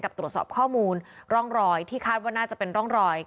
ตรวจสอบข้อมูลร่องรอยที่คาดว่าน่าจะเป็นร่องรอย